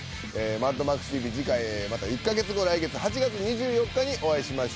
『マッドマックスＴＶ』次回また１カ月後来月８月２４日にお会いしましょう。